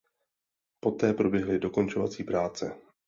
Poté proběhly dokončovací práce.